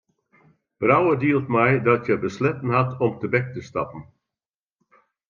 Brouwer dielt mei dat hja besletten hat om tebek te stappen.